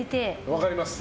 分かります。